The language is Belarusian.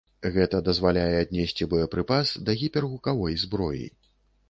Гэта дазваляе аднесці боепрыпас да гіпергукавой зброі.